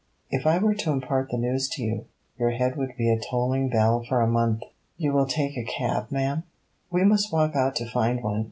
If I were to impart the news to you, your head would be a tolling bell for a month.' 'You will take a cab, ma'am.' 'We must walk out to find one.